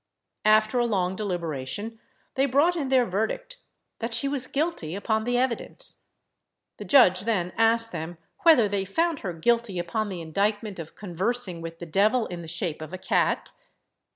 After a long deliberation they brought in their verdict, that she was guilty upon the evidence. The judge then asked them whether they found her guilty upon the indictment of conversing with the devil in the shape of a cat?